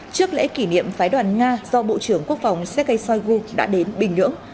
trước lễ kỷ niệm phái đoàn nga do bộ trưởng quốc phòng sergei shoigu đã đến bình nhưỡng